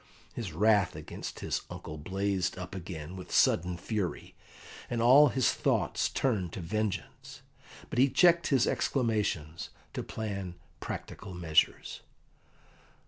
His wrath against his uncle blazed up again with sudden fury, and all his thoughts turned to vengeance. But he checked his exclamations to plan practical measures.